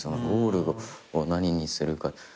ゴールを何にするか。